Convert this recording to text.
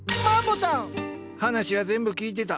話は全部聞いてた。